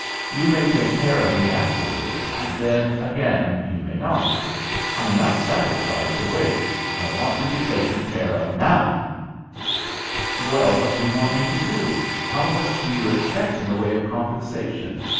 "You may take care of me afterward, and then again you may not. I'm not satisfied to wait. I want to be taken care of now!" "Well, what do you want me to do? How much do you expect in the way of compensation?